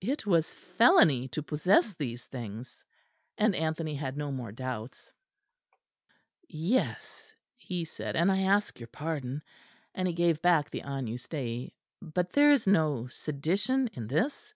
It was felony to possess these things and Anthony had no more doubts. "Yes," he said, "and I ask your pardon." And he gave back the Agnus Dei. "But there is no sedition in this?"